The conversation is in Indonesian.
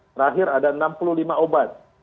terakhir ada enam puluh lima obat